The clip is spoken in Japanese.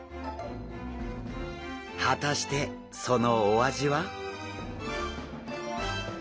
果たしてそのお味は？